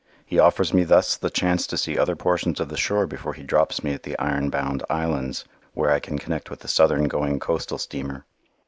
He offers me thus the chance to see other portions of the Shore before he drops me at the Iron Bound Islands, where I can connect with the southern going coastal steamer.